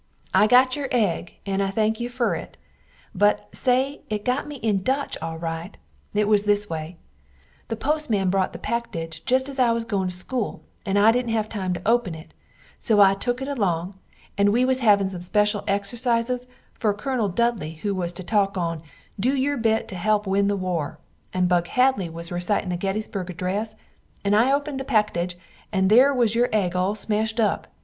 I got your egg and I thank you fer it, but say it got me in dutch al right, it was this way, the postman brot the packidge just as I was going to school and I didn't have time to open it so I took it along and we was havin some speshul exercises fer a kernel Dudley who was to talk on, Do your bit to help win the war, and Bug Hadley was recitin the getysberg adress and I opened the packidge and their was your egg all smasht up.